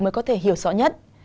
mới có thể hiểu rõ nhất